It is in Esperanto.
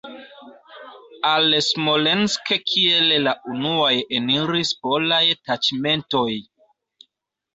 Al Smolensk kiel la unuaj eniris polaj taĉmentoj.